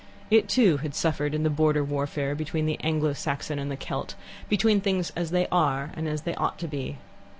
It, too, had suffered in the border warfare between the Anglo Saxon and the Kelt, between things as they are and as they ought to be.